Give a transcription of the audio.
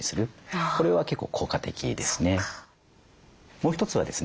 もう一つはですね